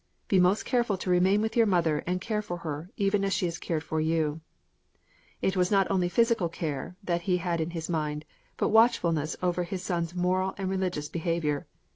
"Be most careful to remain with your mother and care for her, even as she has cared for you." It was not only physical care that he had in his mind, but watchfulness over his son's moral and religious behaviour.